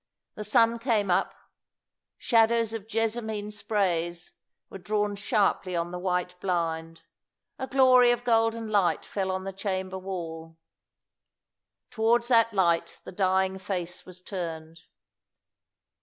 The sun came up. Shadows of jessamine sprays were drawn sharply on the white blind; a glory of golden light fell on the chamber wall. Towards that light the dying face was turned.